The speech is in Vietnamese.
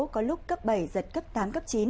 có lúc cấp bảy giật cấp tám cấp chín